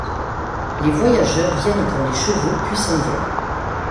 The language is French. Les voyageurs viennent pour les chevaux puis s'en vont.